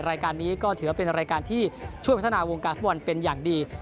รายการนี้ก็ถือว่าเป็นรายการที่ช่วยพัฒนาวงการฟุตบอลเป็นอย่างดี